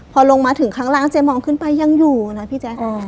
พอลงมาถึงข้างล่างเจ๊มองขึ้นไปยังอยู่นะพี่แจ๊ค